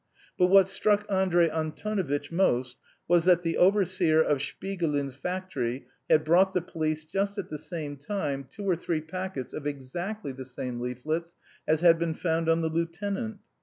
But what struck Andrey Antonovitch most was that the overseer of Shpigulin's factory had brought the police just at the same time two or three packets of exactly the same leaflets as had been found on the lieutenant.